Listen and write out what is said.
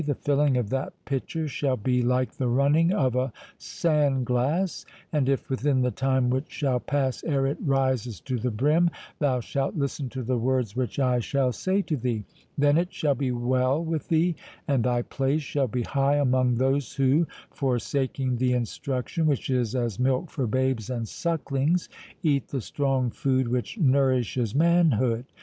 The filling of that pitcher shall be like the running of a sand glass; and if within the time which shall pass ere it rises to the brim, thou shalt listen to the words which I shall say to thee, then it shall be well with thee, and thy place shall be high among those who, forsaking the instruction which is as milk for babes and sucklings, eat the strong food which nourishes manhood.